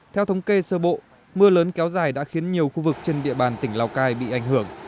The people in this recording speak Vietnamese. theo thống kê sơ bộ mưa lớn kéo dài đã khiến nhiều khu vực trên địa bàn tỉnh lào cai bị ảnh hưởng